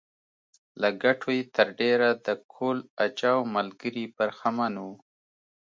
له ګټو یې تر ډېره د کهول اجاو ملګري برخمن وو